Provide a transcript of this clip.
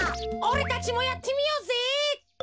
おれたちもやってみようぜ。